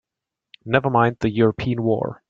Never mind the European war!